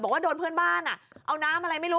บอกว่าโดนเพื่อนบ้านเอาน้ำอะไรไม่รู้